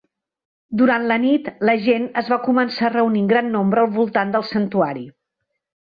Durant la nit, la gent es va començar a reunir en gran nombre al voltant del santuari.